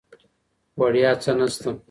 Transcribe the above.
وړیا څه نسته.